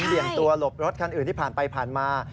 เบี่ยงตัวหลบรถคันอื่นที่ผ่านไปผ่านมา